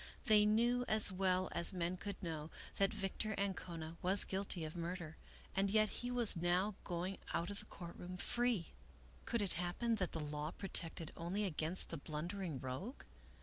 They knew as well as men could know, that Victor Ancona was guilty of murder, and yet he was now going out of the court room free. Could it happen that the law protected only against the blundering rogue?